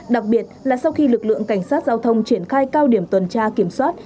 đặc biệt là sau khi lực lượng cảnh sát giao thông triển khai cao điểm tuần tra kiểm soát